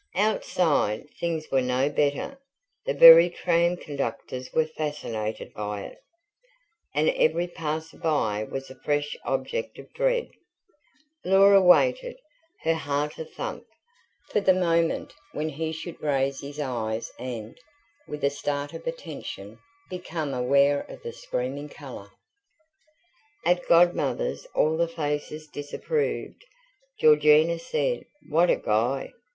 Outside, things were no better; the very tram conductors were fascinated by it; and every passer by was a fresh object of dread: Laura waited, her heart a thump, for the moment when he should raise his eyes and, with a start of attention, become aware of the screaming colour. At Godmother's all the faces disapproved: Georgina said, "What a guy!"